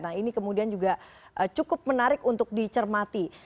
nah ini kemudian juga cukup menarik untuk dicermati